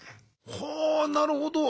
ほうなるほど。